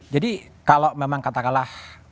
jadi kalau memang katakanlah